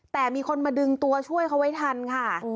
แต่มีคนมาดึงตัวช่วยเขาไว้ทันค่ะ